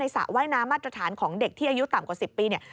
สระว่ายน้ำมาตรฐานของเด็กที่อายุต่ำกว่า๑๐ปีเนี่ย